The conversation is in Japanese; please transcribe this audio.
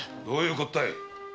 どういうこったい？